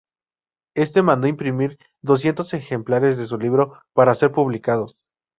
Este mandó imprimir doscientos ejemplares de su libro para ser publicados.